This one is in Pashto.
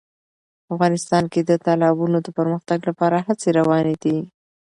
افغانستان کې د تالابونو د پرمختګ لپاره هڅې روانې دي.